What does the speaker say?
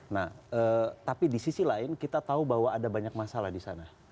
nah tapi di sisi lain kita tahu bahwa ada banyak masalah di sana